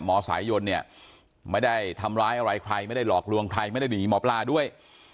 สายยนเนี่ยไม่ได้ทำร้ายอะไรใครไม่ได้หลอกลวงใครไม่ได้หนีหมอปลาด้วย